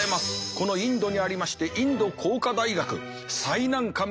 このインドにありましてインド工科大学最難関見えてまいりました。